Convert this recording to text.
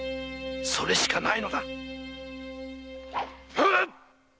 それしかないのだ！